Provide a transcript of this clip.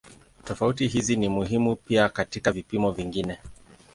Tofauti hizi ni muhimu pia katika vipimo vingine.